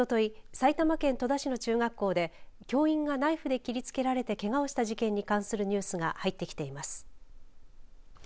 埼玉県戸田市の中学校で教員がナイフで切りつけられてけがをした事件に関するニュースが入ってきています。